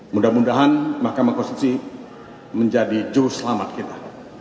mudah mudahan mahkamah konstitusi menjadi juruselamat kita